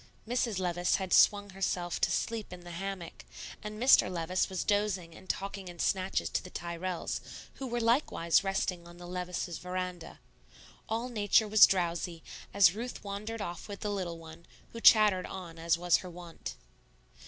Mrs. Levice had swung herself to sleep in the hammock, and Mr. Levice was dozing and talking in snatches to the Tyrrells, who were likewise resting on the Levices' veranda. All Nature was drowsy, as Ruth wandered off with the little one, who chattered on as was her wont.